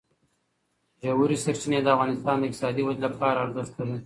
ژورې سرچینې د افغانستان د اقتصادي ودې لپاره ارزښت لري.